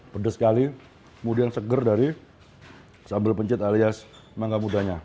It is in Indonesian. pedas sekali kemudian segar dari sambal pencit alias mangka mudanya